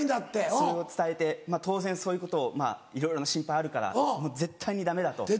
それを伝えてまぁ当然そういうことをいろいろな心配あるから「絶対にダメだ」と。